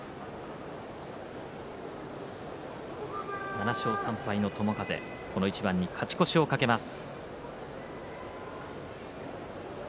７勝３敗の友風、この一番に勝ち越しを懸けます。